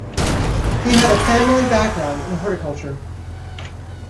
He had a family background in horticulture.